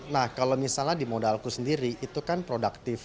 nah kalau misalnya di modalku sendiri itu kan produktif